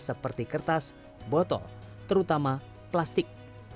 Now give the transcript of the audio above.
seperti kertas botol terutama plastik